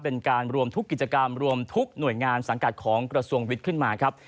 เป็นการรวมทุกกิจกรรมรวมทุกหน่วยงานสังกัดของกระทรวงวิทย์ขึ้นมาครับ